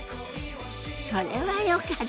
それはよかった。